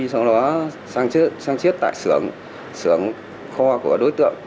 sau đó sang chiết tại xưởng kho của đối tượng